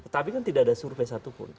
tapi kan tidak ada suruh pes satupun